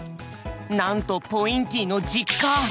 なんとポインティの実家！